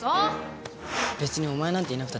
別にお前なんていなくたって勝てるし。